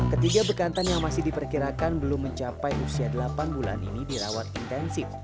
ketiga bekantan yang masih diperkirakan belum mencapai usia delapan bulan ini dirawat intensif